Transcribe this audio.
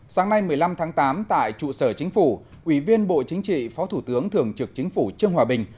sáng nay một mươi năm tháng tám tại trụ sở chính phủ ủy viên bộ chính trị phó thủ tướng thường trực chính phủ trương hòa bình